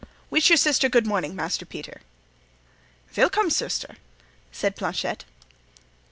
"Wish your sister good morning, Master Peter." "Wilkom, suster," said Planchet.